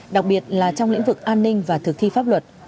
đặc biệt là trong lĩnh vực an ninh và thực thi pháp luật